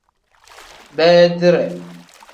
Beedire.